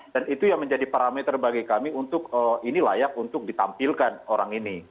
dan itu yang menjadi parameter bagi kami untuk ini layak untuk ditampilkan orang ini